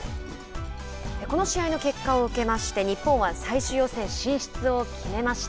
この試合の結果を受けまして日本は最終予選進出を決めました。